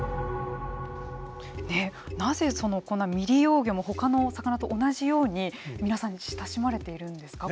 なぜこんな未利用魚もほかの魚と同じように皆さん、親しまれているんですか。